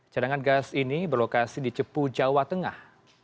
cadangan gas ini berlokasi di cepu jawa tengah